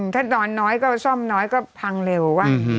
ถ้านอนน้อยก็ซ่อมน้อยก็พังเร็วว่า